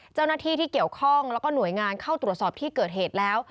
เจ้าหน้าที่ที่เกี่ยวข้องแล้วก็หน่วยงานเข้าตรวจสอบที่เกิดเหตุแล้ว